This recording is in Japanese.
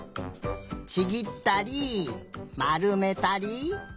ちぎったりまるめたり。